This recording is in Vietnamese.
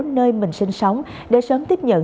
nơi mình sinh sống để sớm tiếp nhận